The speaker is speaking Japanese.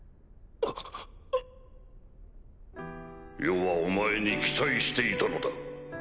余はお前に期待していたのだ。